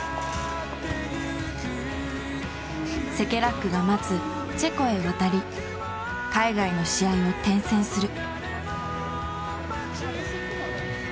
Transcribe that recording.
セケラックが待つチェコへ渡り海外の試合を転戦する。